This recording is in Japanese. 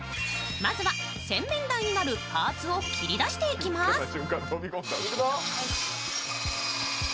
まずは洗面台になるパーツを切り出していきます。